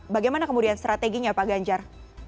bagaimana kemudian strateginya pak ganjar